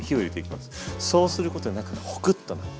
そうすることで中がホクッとなって。